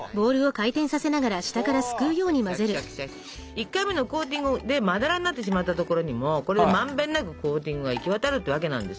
１回目のコーティングでまだらになってしまった所にもこれでまんべんなくコーティングが行き渡るってわけなんですよ。